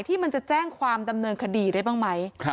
ที่มันจะแจ้งความดำเนินคดีได้บ้างไหม